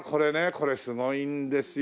これすごいんですよ。